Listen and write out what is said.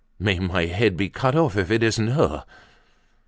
"May my head be cut off if it isn't her."